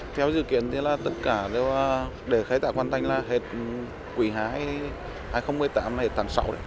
theo dự kiến tất cả để khai thác hoàn thành là hệt quỷ hái hai nghìn một mươi tám hệt tháng sáu